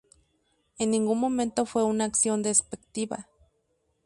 En ningún momento fue una acción despectiva.